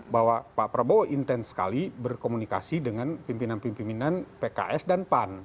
bahwa pak prabowo intens sekali berkomunikasi dengan pimpinan pimpinan pks dan pan